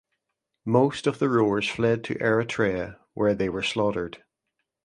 Most of the rowers fled to Eretria where they were slaughtered.